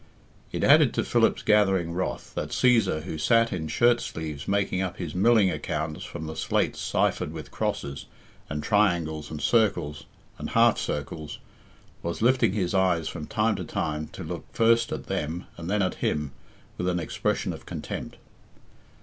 It added to Philip's gathering wrath that Cæsar, who sat in shirt sleeves making up his milling accounts from slates ciphered with crosses, and triangles, and circles, and half circles, was lifting his eyes from time to time to look first at them and then at him, with an expression of contempt.